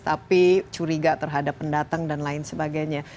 tapi curiga terhadap pendatang dan lain sebagainya